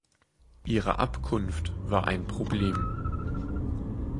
Ihre Abkunft war ein Problem.